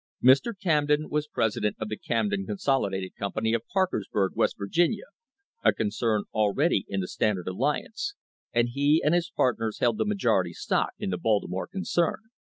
Mr. Camden was president of the Camden Con solidated Company of Parkersburg, West Virginia, a con cern already in the Standard alliance, and he and his partners held the majority stock in the Baltimore concern.